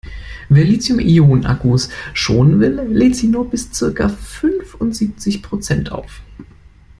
Wer Lithium-Ionen-Akkus schonen will, lädt sie nur bis circa fünfundsiebzig Prozent auf.